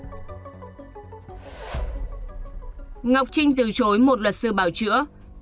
ngọc trinh từ chối một luật sư bảo chữa